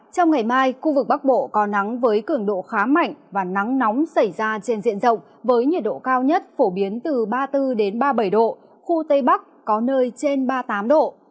trong ngày mai khu vực bắc bộ có nắng với cường độ khá mạnh và nắng nóng xảy ra trên diện rộng với nhiệt độ cao nhất phổ biến từ ba mươi bốn ba mươi bảy độ khu tây bắc có nơi trên ba mươi tám độ